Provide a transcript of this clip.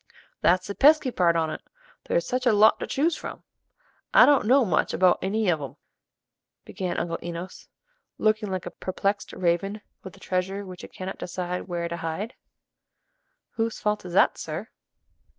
"That's the pesky part on 't: there's such a lot to choose from; I don't know much about any of 'em," began Uncle Enos, looking like a perplexed raven with a treasure which it cannot decide where to hide. "Whose fault is that, sir?"